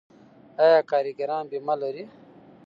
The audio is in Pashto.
آیا کارګران بیمه لري؟